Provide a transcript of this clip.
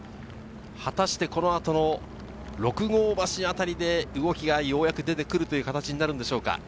果たして、この後の六郷橋あたりで動きがようやく出てくるという形になるんでしょうか。